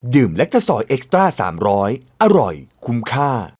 แก๊กกะซอยเอ็กซ์ตรา๓๐๐อร่อยคุ้มค่า